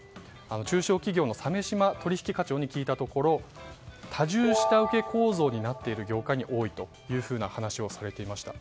中小企業の鮫島取引課長に聞いたところ多重下請け構造になっている業界に多いというふうな話をされていました。